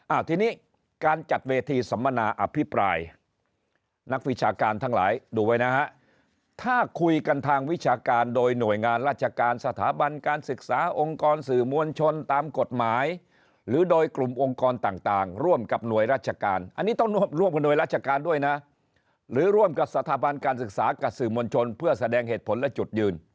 อ่าทีนี้การจัดเวทีสัมมนาอภิปรายนักวิชาการทั้งหลายดูไว้นะฮะถ้าคุยกันทางวิชาการโดยหน่วยงานราชการสถาบันการศึกษาองค์กรสื่อมวลชนตามกฎหมายหรือโดยกลุ่มองค์กรต่างต่างร่วมกับหน่วยราชการอันนี้ต้องร่วมกับหน่วยราชการด้วยนะหรือร่วมกับสถาบันการศึกษากับสื่อมวลชนเพื่อแสดงเหตุผลและจุดยืน